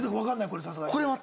これさすがに。